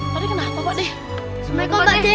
pak deh kenapa pak deh